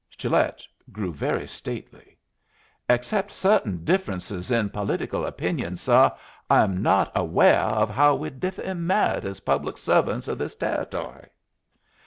Gilet grew very stately. "Except certain differences in political opinions, suh, I am not awah of how we differ in merit as public servants of this Territory."